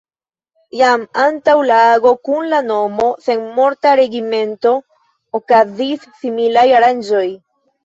Jam antaŭ la ago kun la nomo „Senmorta regimento” okazis similaj aranĝoj.